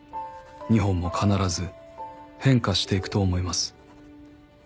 「日本も必ず変化していくと思います」